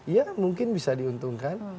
ya mungkin bisa diuntungkan